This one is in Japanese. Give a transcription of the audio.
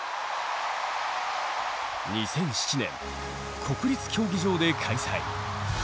２００７年国立競技場で開催。